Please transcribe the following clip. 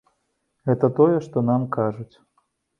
Гэта тое, што нам кажуць.